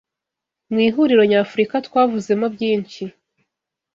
mu ihuriro nyafurika twavuzemo byinshyi